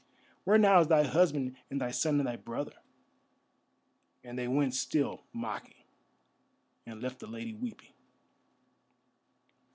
Where now is thy husband and thy son and thy brother?" and they went still mocking, and left the lady weeping.